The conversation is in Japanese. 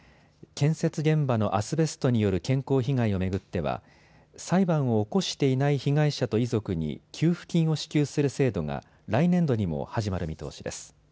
建設現場のアスベストによる健康被害を巡っては裁判を起こしていない被害者と遺族に給付金を支給する制度が来年度にも始まる見通しです。